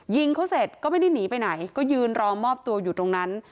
ยิงเขาเสร็จก็ไม่ได้หนีไปไหนก็ยืนรอมอบตัวอยู่ตรงนั้น